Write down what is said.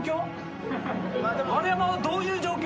丸山はどういう状況？